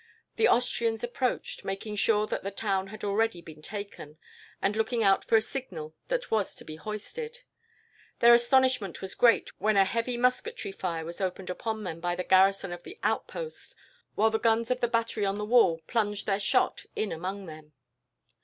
The Austrians approached, making sure that the town had already been taken, and looking out for a signal that was to be hoisted. Their astonishment was great, when a heavy musketry fire was opened upon them by the garrison of the outpost, while the guns of the battery on the wall plunged their shot in among them.